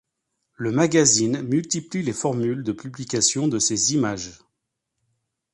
Le magazine multiplie les formules de publication de ses images.